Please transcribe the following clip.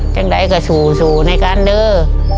จงได้ก็สู้แน่กลางโดย